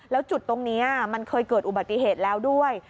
แล้วจุดตรงนี้มันเคยเกิดอุบัติเหตุแล้วด้วย